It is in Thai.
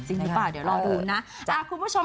จริงหรือเปล่าเดี๋ยวเราดูนะ